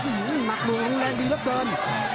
หนักมูลแรงดีเยอะเกิน